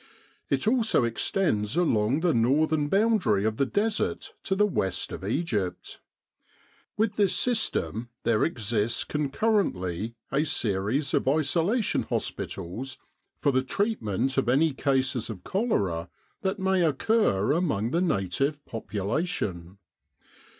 It also extends along the northern boundary of the Desert to the west of Egypt. With this system there exists concurrently a series of isola tion hospitals for the treatment of any cases of cholera that may occur among the native population.